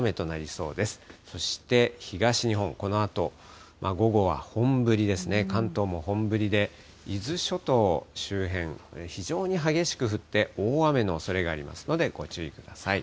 そして東日本、このあと午後は本降りですね、関東も本降りで、伊豆諸島周辺、非常に激しく降って大雨のおそれがありますのでご注意ください。